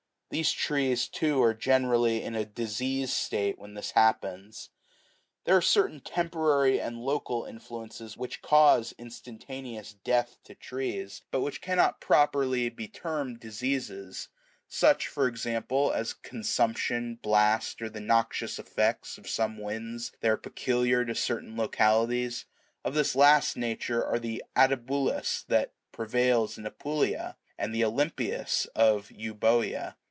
These trees, too, are generally in a diseased state when this happens. There are certain temporary and local influences which cause instantaneous death to trees, but which cannot properly be termed diseases ; such, for example, as consumption, blast, or the noxious effects of some winds that are peculiar to certain localities ; of this last nature are the Atabulus6 that prevails in Apulia, and the Olympias7 of Euboea.